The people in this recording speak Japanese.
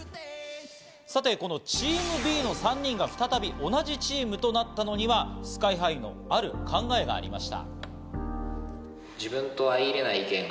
さて、このチームＢの３人が再び同じチームとなったのにはＳＫＹ−ＨＩのある考えがありました。